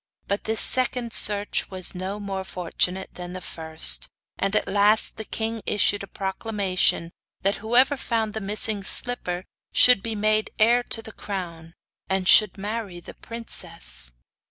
But this second search was no more fortunate than the first, and at last the king issued a proclamation that whoever found the missing slipper should be made heir to the crown, and should marry the princess.